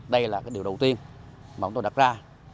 đây là cái điều đầu tiên mà chúng tôi đặt ra